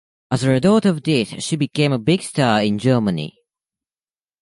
As a result of this she became a big star in Germany.